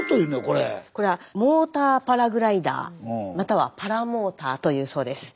これはモーターパラグライダーまたはパラモーターというそうです。